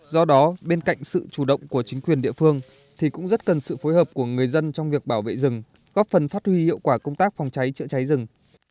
do đó bên cạnh sự chủ động của chính quyền địa phương thì cũng rất cần sự phối hợp của người dân trong việc bảo vệ rừng góp phần phát huy hiệu quả công tác phòng cháy chữa cháy rừng